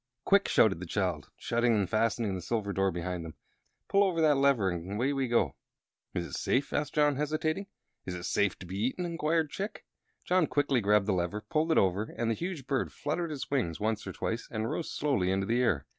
"Quick!" shouted the child, shutting and fastening the silver door behind them. "Pull over that lever, and away we go!" "Is it safe?" asked John, hesitating. "Is it safe to be eaten?" inquired Chick. John quickly grabbed the lever, pulled it over, and the huge bird fluttered its wings once or twice and rose slowly into the air.